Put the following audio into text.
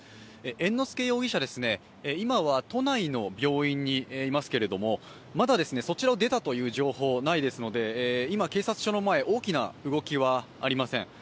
猿之助容疑者、今は都内の病院にいますけれども、まだそちらを出たという情報はないですので今、警察署の前、大きな動きはありません。